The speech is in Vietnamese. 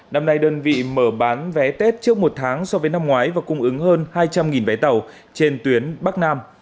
năm nay đơn vị mở bán vé tết trước một tháng so với năm ngoái và cung ứng hơn hai trăm linh vé tàu trên tuyến bắc nam